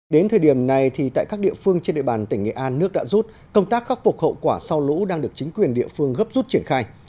đến thời điểm này thì tại các địa phương trên địa bàn tỉnh nghệ an nước đã rút công tác khắc phục hậu quả sau lũ đang được chính quyền địa phương gấp rút triển khai